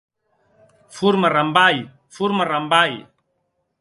Forma rambalh, forma rambalh.